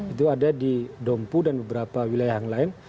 itu ada di dompu dan beberapa wilayah yang lain